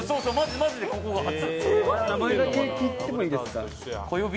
マジでここが初公開。